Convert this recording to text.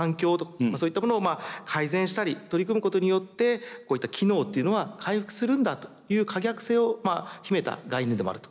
そういったものを改善したり取り組むことによってこういった機能っていうのは回復するんだという可逆性を秘めた概念でもあると。